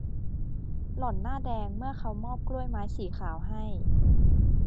หล่อนหน้าแดงเมื่อเขามอบกล้วยไม้สีขาวให้